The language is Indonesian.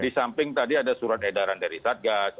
di samping tadi ada surat edaran dari satgas